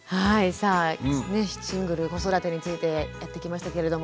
さあ「シングルの子育て」についてやってきましたけれども。